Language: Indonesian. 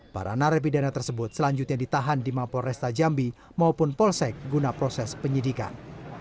para narapidana tersebut selanjutnya ditahan di mampol resta jambi maupun polsek guna proses penyidikan